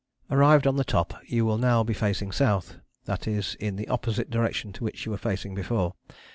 ] Arrived on the top you will now be facing south, that is in the opposite direction to which you were facing before.